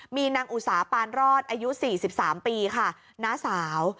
มีนางอุสาปานรอดอายุ๔๓ปีค่ะน้าสาว